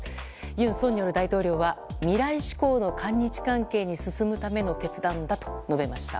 尹錫悦大統領は未来志向の韓日関係に進むための決断だと述べました。